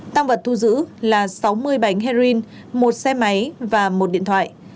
tăng vật thu giữ là sáu mươi bánh heroin một xe máy và một điện thoại